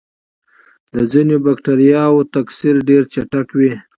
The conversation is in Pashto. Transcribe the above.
د ځینو بکټریاوو تکثر ډېر چټک وي.